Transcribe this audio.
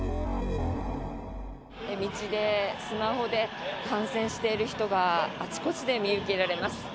道でスマホで観戦している人があちこちで見受けられます。